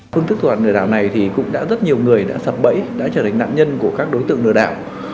phương thức đoạt đảo này cũng đã rất nhiều người đã sập bẫy đã trở thành nạn nhân của các đối tượng lừa đảo